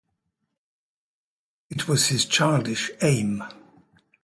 It was his childish aim.